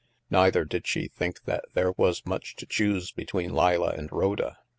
Neither did she think that there was much to choose between Leila and Rhoda.